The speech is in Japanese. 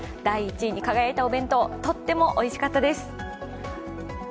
第１位に輝いたお弁当、とってもおいしかったです。